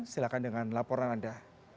silahkan dengan laporan anda